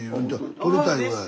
撮りたいぐらいや。